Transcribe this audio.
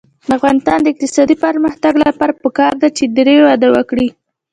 د افغانستان د اقتصادي پرمختګ لپاره پکار ده چې دري وده وکړي.